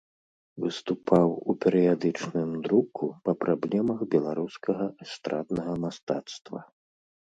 Выступаў у перыядычным друку па праблемах беларускага эстраднага мастацтва.